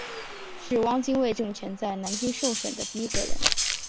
是汪精卫政权中在南京受审的第一个人。